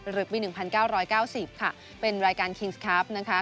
หรือปีหนึ่งพันเก้าร้อยเก้าสิบค่ะเป็นรายการคิงส์คลับนะคะ